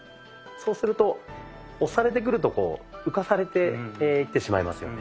そうすると押されてくると浮かされていってしまいますよね。